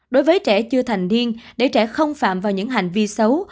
đối với trẻ chưa thành niên để trẻ không phạm vào những hành vi xấu